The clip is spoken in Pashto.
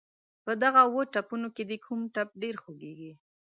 په دغه اووه ټپونو کې دې کوم ټپ ډېر خوږېږي.